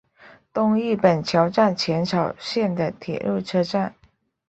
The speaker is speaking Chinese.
东日本桥站浅草线的铁路车站。